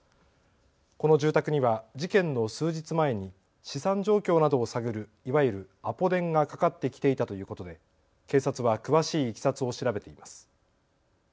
この住宅には事件の数日前に資産状況などを探るいわゆるアポ電がかかってきていたということで警察は詳しいいきさつを調べています。